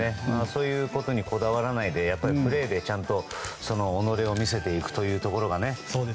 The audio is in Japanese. そういうことにこだわらないでプレーでちゃんと己を見せていくというところが。